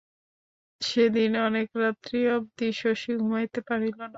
সেদিন অনেক রাত্রি অবধি শশী ঘুমাইতে পারিল না।